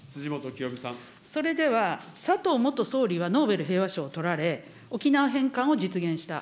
それでは、佐藤元総理はノーベル平和賞を取られ、沖縄返還を実現した。